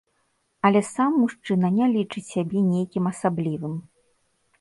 Але сам мужчына не лічыць сябе нейкім асаблівым.